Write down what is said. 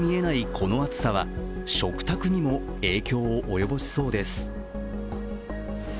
この暑さは食卓にも影響を及ぼしそうです。